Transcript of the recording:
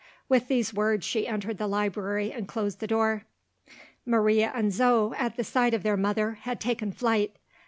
With those words she entered the library, and closed the door. Maria and Zo, at the sight of their mother, had taken flight.